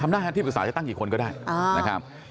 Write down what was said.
หน้าที่ปรึกษาจะตั้งกี่คนก็ได้นะครับ